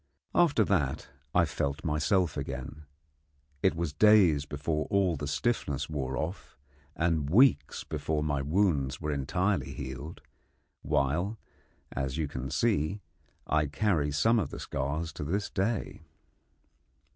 After that I felt myself again. It was days before all the stiffness wore off, and weeks before my wounds were entirely healed; while, as you can see, I carry some of the scars to this day.